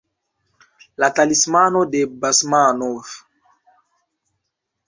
La talismano de Basmanov.